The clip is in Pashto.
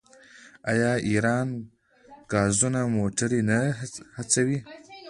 آیا ایران ګازسوز موټرې نه هڅوي؟